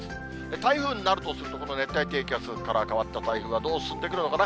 台風になるとすると、この熱帯低気圧から変わった台風はどう進んでくるのかな。